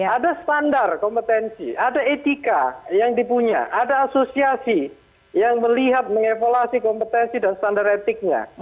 ada standar kompetensi ada etika yang dipunya ada asosiasi yang melihat mengevaluasi kompetensi dan standar etiknya